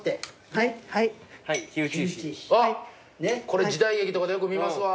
これ時代劇とかでよく見ますわ。